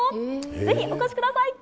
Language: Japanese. ぜひお越しください！